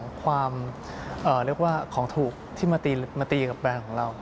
ที่ผู้ประกอบการจะเข้าไปเนี่ยแน่นอนสิ่งที่ต้องเจอคือเรื่องของของถูกที่มาตีกับแบรนด์ของเรา